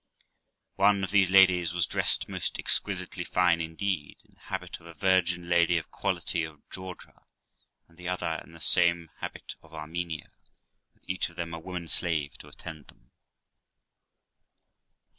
One of these ladies was dressed most exquisitely fine indeed, in the habit of a virgin lady of quality of Georgia, and the other in the same habit of Armenia, with each of them a woman slave to attend them.